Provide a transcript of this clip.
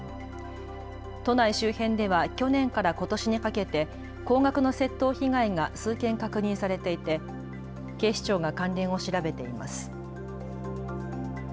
都内周辺では去年からことしにかけて高額の窃盗被害が数件、確認されていて警視庁が関連を調べています。